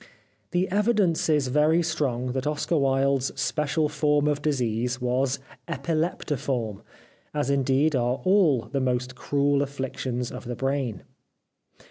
The evidence is very strong that Oscar Wilde's special form of disease was epileptiform, as indeed are all the most cruel afflictions of the brain.